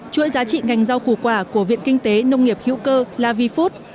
chuỗi giá trị ngành giao củ quả của viện kinh tế nông nghiệp hiệu cơ la vy phút